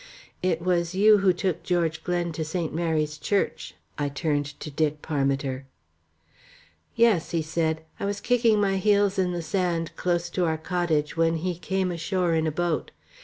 It was you who took George Glen to St. Mary's Church," I turned to Dick Parmiter. "Yes," said he. "I was kicking my heels in the sand, close to our cottage, when he came ashore in a boat.